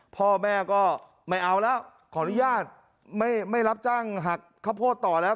พ่อแม่ก็ไม่เอาแล้วขออนุญาตไม่รับจ้างหักข้าวโพดต่อแล้ว